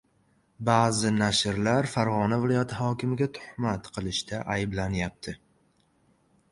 Ba’zi nashrlar Farg‘ona viloyati hokimiga tuhmat qilishda ayblanyapti